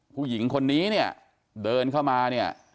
ผู้หญิงคนนี้เนี่ยเดินเข้ามาเนี่ย